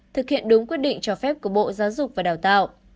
thực hiện đúng quyết định cho phép của bộ giáo dục và đào tạo